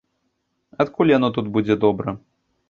Адкуль яно тут будзе добра?